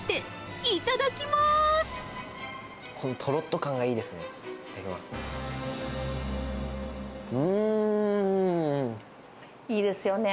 このとろっと感がいいですね。